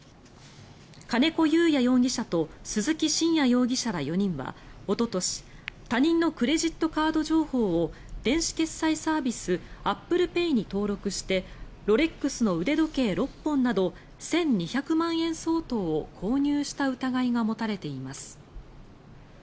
金子祐也容疑者と鈴木真也容疑者ら４人はおととし他人のクレジットカード情報を電子決済サービスアップルペイに登録してロレックスの腕時計６本など１２００万円相当を購入した疑いが持たれています。